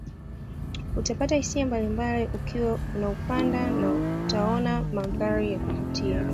Utapata hisia mbalimbali ukiwa unaupanda na utaona mandhari ya kuvutia